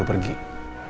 di sana riki neluk